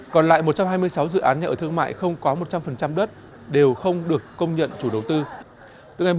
còn lại một trăm hai mươi sáu dự án nhà ở thương mại không có một trăm linh đất đều không được công nhận chủ đầu tư